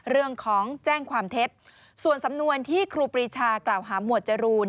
เรื่องของแจ้งความเท็จส่วนสำนวนที่ครูปรีชากล่าวหาหมวดจรูน